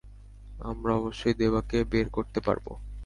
আমরা অবশ্যই দেবাকে বের করতে পারব।